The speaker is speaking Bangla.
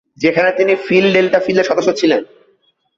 সেখানে তিনি ফিল ডেল্টা ফিলের সদস্য ছিলেন।